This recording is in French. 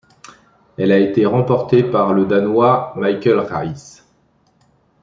Elle a été remportée par le Danois Michael Reihs.